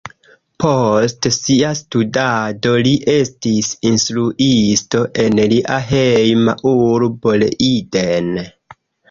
Post sia studado, li estis instruisto en lia hejma urbo Leiden.